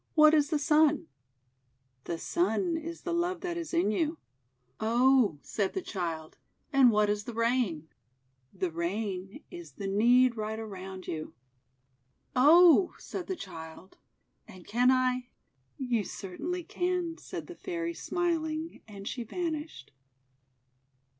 "What is the Sun?" "The Sun is the Love That is in You." "Oh!" said the Child. "And what is the Rain?" "The Rain is the Need Right Around You." "Oh!" said the Child. "And can I—" 'You certainly can," said the Fairy, smiling, and she vanished.